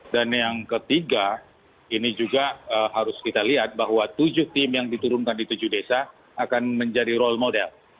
dan yang ketiga ini juga harus kita lihat bahwa tujuh tim yang diturunkan di tujuh desa akan menjadi role model